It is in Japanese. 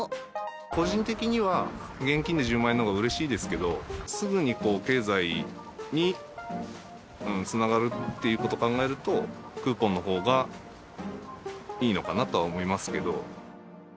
個人的には現金で１０万円のほうがうれしいですけど、すぐに経済につながるっていうこと考えると、クーポンのほうがいいのかなとは思いますけど。